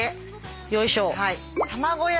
よいしょ。